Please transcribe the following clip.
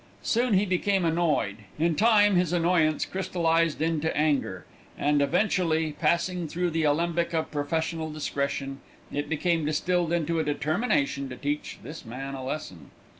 Soon he became annoyed, in time his annoyance crystallised into anger, and eventually, passing through the alembic of professional discretion, it became distilled into a determination to teach this man a lesson.